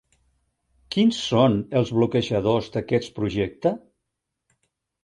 Quins són els bloquejadors d'aquest projecte?